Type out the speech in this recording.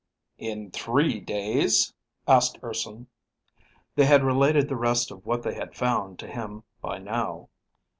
"In three days?" asked Urson. They had related the rest of what they had found to him by now.